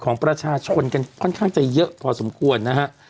ของประชาชนกันค่อนข้างจะเยอะพอสมควรนะฮะ